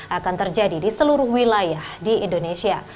akan terjadi di seluruh wilayah di indonesia